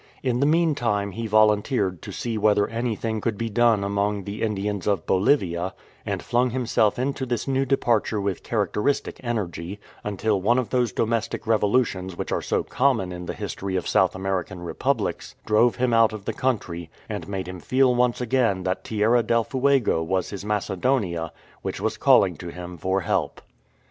In the meantime he vohmteered to see whether anything could be done among the Indians of Bolivia, and flung himself into this new departure with characteristic energy, until one of those domestic revolutions which are so common in the history of South American republics drove him out of the country, and made him feel once again that Tierra del Fuego was his Macedonia which was calling to him for help.